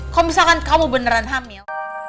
kalau misalkan kamu beneran hamil